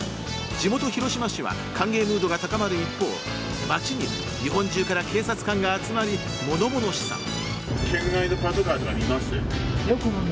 地元・広島市は歓迎ムードが高まる一方街には日本中から警察官が集まり物々しさも。